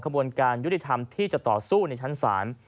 บวนการยุติธรรมที่จะต่อสู้ในชั้นศาล